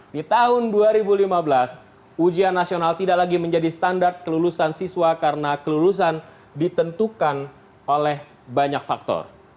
di tahun dua ribu lima belas ujian nasional tidak lagi menjadi standar kelulusan siswa karena kelulusan ditentukan oleh banyak faktor